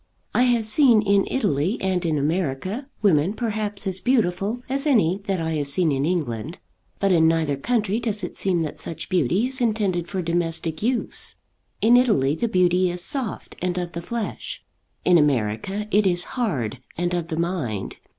I have seen in Italy and in America women perhaps as beautiful as any that I have seen in England, but in neither country does it seem that such beauty is intended for domestic use. In Italy the beauty is soft, and of the flesh. In America it is hard, and of the mind.